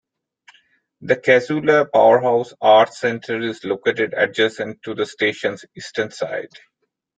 The Casula Powerhouse arts centre is located adjacent to the station's eastern side.